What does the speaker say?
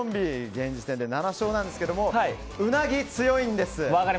現時点で７勝なんですがウナギに強いんです。